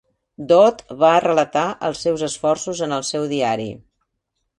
Dodd va relatar els seus esforços en el seu diari.